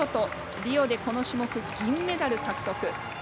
リオでこの種目、銀メダル獲得。